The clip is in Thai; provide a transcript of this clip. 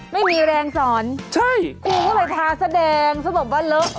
ไม่มีแรงสอนคุณก็เลยทาซะแดงซึ่งบอกว่าเลิก